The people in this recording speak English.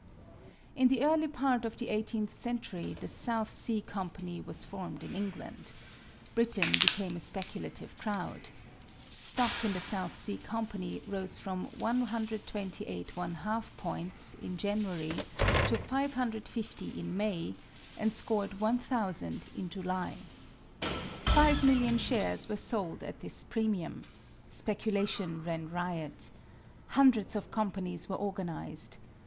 In the early part of the eighteenth century the South Sea Company was formed in England. Britain became a speculative crowd. Stock in the South Sea Company rose from 128 1/2 points in January to 550 in May, and scored 1,000 in July. Five million shares were sold at this premium. Speculation ran riot. Hundreds of companies were organized.